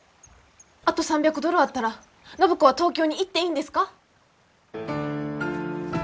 あと３００ドルあったら暢子は東京に行っていいんですか？